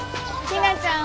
ひなちゃん